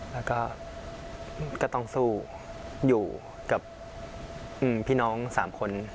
แล้วก็ก็ต้องสู้อยู่กับพี่น้อง๓คน